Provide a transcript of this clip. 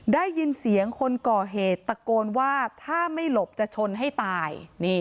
ได้ยินเสียงคนก่อเหตุตะโกนว่าถ้าไม่หลบจะชนให้ตาย